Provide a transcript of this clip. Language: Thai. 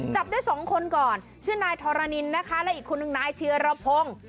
จับได้สองคนก่อนชื่อนายธรณินนะคะและอีกคนนึงนายเทียรพงศ์